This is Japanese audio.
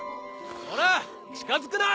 ほら近づくな！